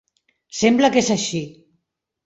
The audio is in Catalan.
Sembla que és així.